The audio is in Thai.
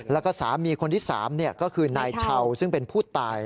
แล้วก็สามีคนที่๓ก็คือนายเช่าซึ่งเป็นผู้ตาย